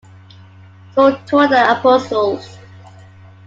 So taught the Apostles.